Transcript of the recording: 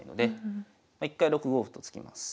一回６五歩と突きます。